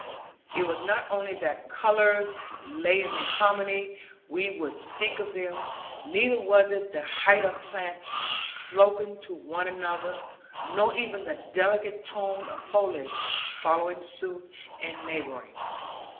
It was not only that colours lay in the harmony we would seek of them, neither was it the height of plants, sloping to one another; nor even the delicate tone of foliage following suit, and neighbouring.